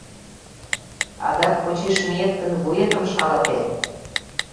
Адак почеш миет гын, вуетым шалатем!